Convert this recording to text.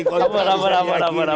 kontrak gak diperbaca